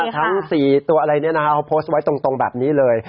ทั้ง๔ตัวอะไรนี้เขาโพสต์ไว้ตรงแบบนี้เลย